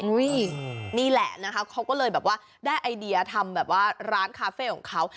นี่แหละนะคะเขาก็เลยแบบว่าได้ไอเดียทำแบบว่าร้านคาเฟ่ของเขา